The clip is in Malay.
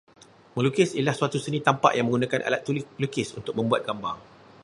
Melukis ialah suatu seni tampak yang menggunakan alat lukis untuk membuat gambar